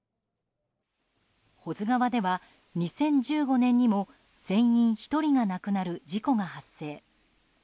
保津川では２０１５年にも船員１人が亡くなる事故が発生。